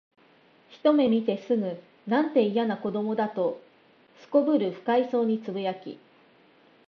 ひとめ見てすぐ、「なんて、いやな子供だ」と頗る不快そうに呟き、